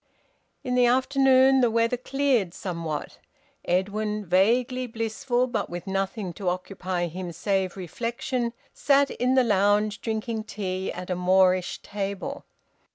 In the afternoon the weather cleared somewhat. Edwin, vaguely blissful, but with nothing to occupy him save reflection, sat in the lounge drinking tea at a Moorish table.